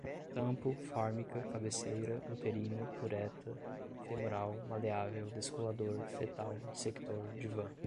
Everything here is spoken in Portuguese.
tampo, fórmica, cabeceira, uterina, cureta, femural, maleável, descolador, fetal, dissector, divã